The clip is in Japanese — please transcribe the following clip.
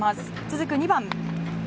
続く２番。